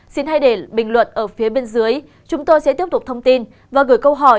xin hãy để bình luận ở phía bên dưới chúng tôi sẽ tiếp tục thông tin và gửi câu hỏi